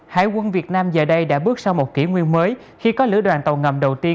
hải quân việt nam giờ đây đã bước sang một kỷ nguyên mới khi có lữ đoàn tàu ngầm đầu tiên